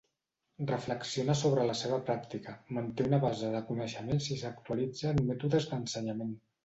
Reflexiona sobre la seva pràctica, manté una base de coneixements i s'actualitza en mètodes d'ensenyament.